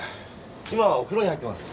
今はお風呂に入ってます。